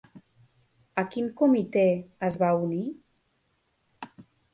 A quin comitè es va unir?